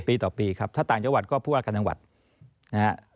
ปีต่อปีครับถ้าต่างจังหวัดก็ผู้ว่าการจังหวัดนะฮะ